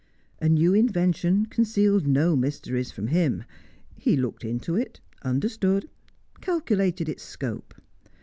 A new invention concealed no mysteries from him; he looked into it; understood, calculated its scope.